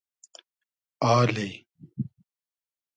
آلی